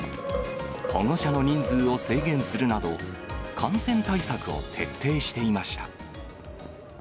保護者の人数を制限するなど、感染対策を徹底していました。